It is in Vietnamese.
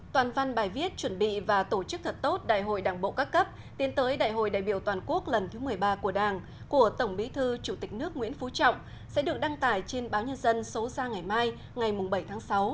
toàn văn bài viết chuẩn bị và tổ chức thật tốt đại hội đảng bộ các cấp tiến tới đại hội đại biểu toàn quốc lần thứ một mươi ba của đảng của tổng bí thư chủ tịch nước nguyễn phú trọng sẽ được đăng tải trên báo nhân dân số ra ngày mai ngày bảy tháng sáu